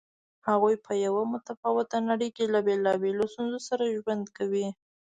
هغوی په یوه متفاوته نړۍ کې له بېلابېلو ستونزو سره ژوند کوي.